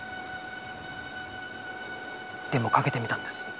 でも賭けてみたんです。